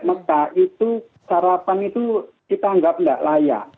mekah itu sarapan itu kita anggap tidak layak